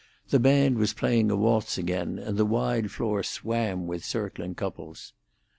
The band was playing a waltz again, and the wide floor swam with circling couples.